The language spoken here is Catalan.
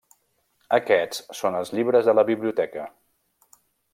Aquests són els llibres de la biblioteca.